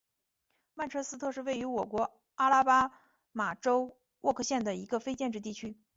曼彻斯特是位于美国阿拉巴马州沃克县的一个非建制地区。